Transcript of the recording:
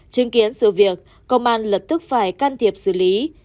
chứng kiến sự việc công an lập tức phải can thiệp xử lý